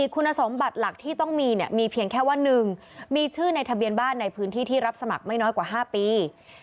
คุณสมบัติหลักที่ต้องมีเนี่ยมีเพียงแค่ว่า๑มีชื่อในทะเบียนบ้านในพื้นที่ที่รับสมัครไม่น้อยกว่า๕ปี